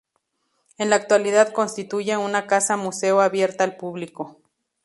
En la actualidad constituye una casa museo abierta al público.